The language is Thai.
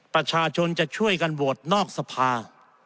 ประชาชนจะช่วยกันโหวตนอกสภา